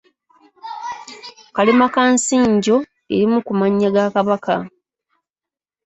Kalemakansinjo lye limu ku mannya ga Kabaka.